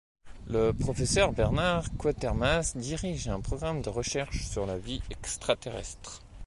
Le professeur Bernard Quatermass dirige un programme de recherches sur la vie extraterrestre.